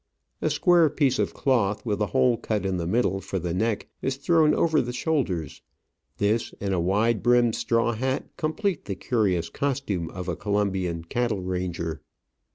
A square piece of cloth, with a hole cut in the middle for the neck, is thrown over the shoulders ; this, and a wide brimmed straw hat, complete the curious costume of a Colombian cattle rancrer.